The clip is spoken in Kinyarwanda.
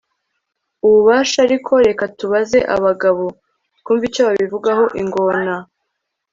ububasha. ariko reka tubaze abagabo, twumve icyo babivugaho! ingona